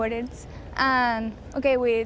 jadi kami baru saja datang ke pulau kelor